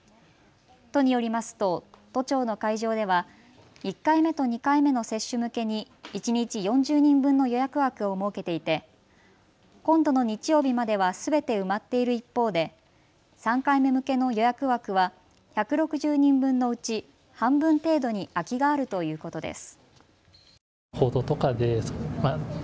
都によりますと都庁の会場では１回目と２回目の接種向けに一日４０人分の予約枠を設けていて今度の日曜日まではすべて埋まっている一方で３回目向けの予約枠は１６０人分のうち半分程度に空きがあるということです。